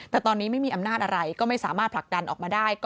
แต่ตอนนี้ไม่มีอำนาจอะไรก็ไม่สามารถผลักดันออกมาได้